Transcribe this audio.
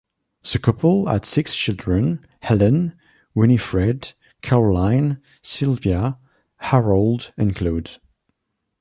The couple had six children: Helen, Winifred, Caroline, Sylvia, Harold and Claud.